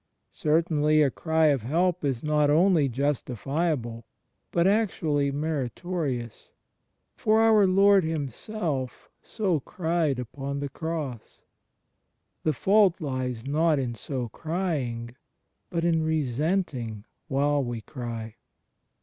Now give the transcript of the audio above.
Certainly a cry of help is not only justi fiable, but actually meritorious; for our Lord Himself so cried upon the Cross. The fault lies not in so crying, but in resenting while we cry.